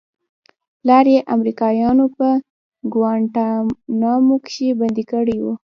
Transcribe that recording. پلار يې امريکايانو په گوانټانامو کښې بندي کړى و.